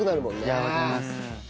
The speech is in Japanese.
いやあわかります。